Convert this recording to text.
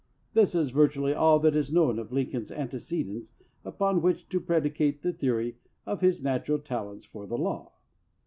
This is virtually all that is known of Lincoln's ante cedents upon which to predicate the theory of his natural talents for the law.